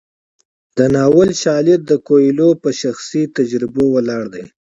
د ناول شالید د کویلیو په شخصي تجربو ولاړ دی.